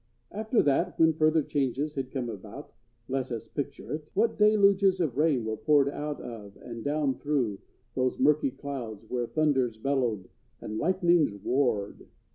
After that, when further changes had come about,—let us picture it,—what deluges of rain were poured out of and down through those murky clouds where thunders bellowed and lightnings warred!